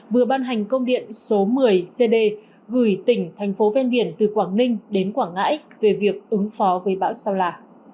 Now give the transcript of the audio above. vừa ban hành công điện số một mươi cd gửi tỉnh thành phố ven biển từ quảng ninh đến quảng ngãi về việc ứng phó với bão sao la